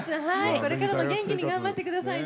これからも元気に頑張ってくださいね。